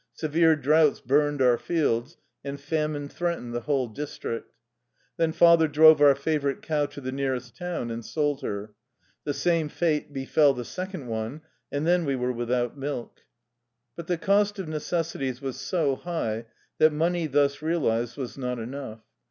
Severe droughts burned our fields, and famine threat ened the whole district. Then father drove our favorite cow to the nearest town and sold her. The same fate befell the second one, and then we were without milk. But the cost of necessities was so high that money thus realized was not enough.